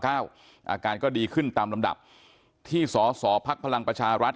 อาการก็ดีขึ้นตามลำดับที่สสพลังประชารัฐ